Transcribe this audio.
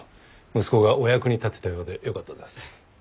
息子がお役に立てたようでよかったです。